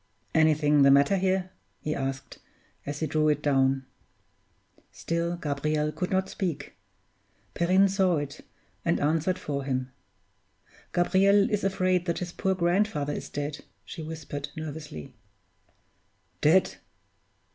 "Anything the matter here?" he asked, as he drew it down. Still Gabriel could not speak. Perrine saw it, and answered for him. "Gabriel is afraid that his poor grandfather is dead," she whispered, nervously. "Dead!"